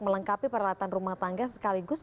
melengkapi peralatan rumah tangga sekaligus